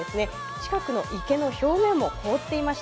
近くの池の表面も凍っていました。